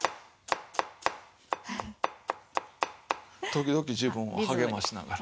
時々自分を励ましながら。